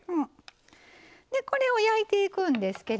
でこれを焼いていくんですけれども。